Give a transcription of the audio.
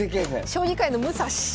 将棋界の武蔵。